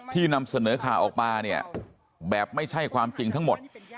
นำเสนอข่าวออกมาเนี่ยแบบไม่ใช่ความจริงทั้งหมด